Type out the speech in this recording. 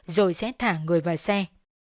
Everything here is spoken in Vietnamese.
rồi sẽ thả người vào xe